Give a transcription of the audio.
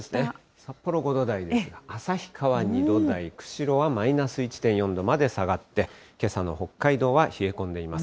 札幌５度台ですが、旭川２度台、釧路はマイナス１．４度まで下がって、けさの北海道は冷え込んでいます。